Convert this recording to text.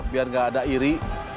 biar gak ada iri